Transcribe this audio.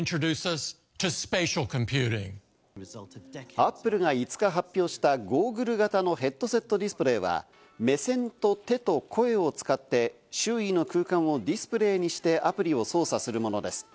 アップルが５日発表したゴーグル型のヘッドセットディスプレーは、目線と手と声を使って周囲の空間をディスプレーにしてアプリを操作するものです。